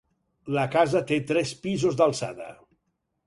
La casa té tres pisos d'alçada.